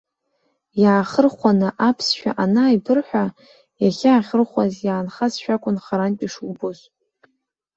Иаахырхәаны аԥсшәа анааибырҳәа, иахьаахырхәаз иаанхазшәа акәын харантә ишубоз.